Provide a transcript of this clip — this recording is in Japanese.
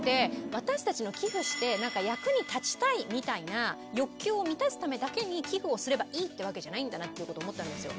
私たちの寄付して役に立ちたいみたいな欲求を満たすためだけに寄付をすればいいってわけじゃないんだなっていうことを思ったんですよ。